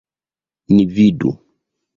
Ni vidu!